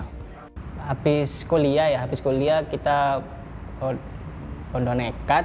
habis kuliah ya habis kuliah kita bondo nekat